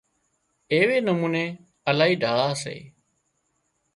ايوي نموني الاهي ڍاۯا سي